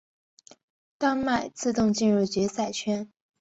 丹麦自动进入决赛圈。